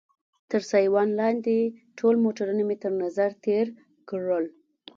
تر سایوان لاندې ټول موټرونه مې تر نظر تېر کړل.